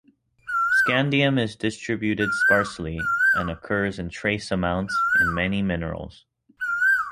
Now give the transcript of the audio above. Scandium is distributed sparsely and occurs in trace amounts in many minerals.